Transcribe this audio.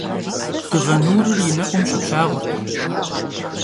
Dığe nurır yi ne'um şıplhağurt.